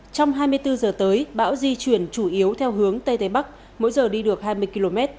trong hai mươi bốn giờ tới bão di chuyển chủ yếu theo hướng tây tây bắc mỗi giờ đi được hai mươi km